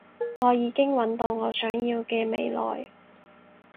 我已經搵到我想要嘅未來